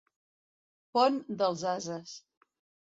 Pont dels ases.